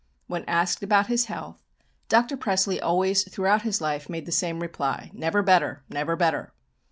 When asked about his health, Dr. Pressly always throughout his life made the same reply, "Never better; never better."